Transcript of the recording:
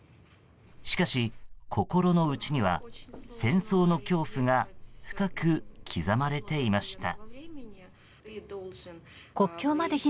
しかし、心の内には戦争の恐怖が深く刻まれていました。